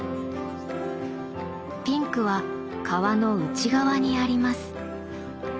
ピンクは皮の内側にあります。